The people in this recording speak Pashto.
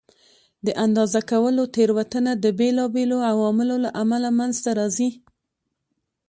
د اندازه کولو تېروتنه د بېلابېلو عواملو له امله منځته راځي.